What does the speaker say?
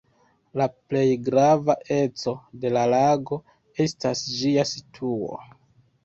La plej grava eco de la lago estas ĝia situo.